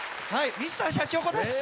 Ｍｒ．シャチホコです。